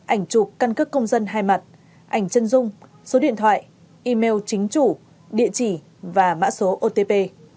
ảnh chụp căn cước công dân hai mặt ảnh chân dung số điện thoại email chính chủ địa chỉ và mã số otp